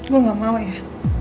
gue gak mau ya